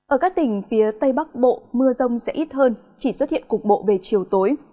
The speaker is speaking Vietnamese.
ở các tỉnh phía tây bắc bộ mưa rông sẽ ít hơn chỉ xuất hiện cục bộ về chiều tối